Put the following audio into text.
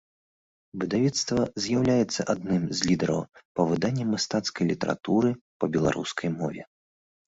Выдавецтва з'яўляецца адным з лідараў па выданні мастацкай літаратуры па беларускай мове.